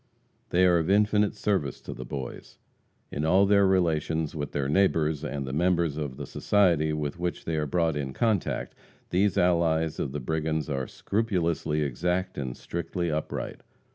They are of infinite service to the Boys. In all their relations with their neighbors and the members of the society with which they are brought in contact, these allies of the brigands are scrupulously exact and strictly upright.